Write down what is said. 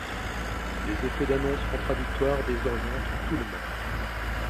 Les effets d’annonces contradictoires désorientent tout le monde.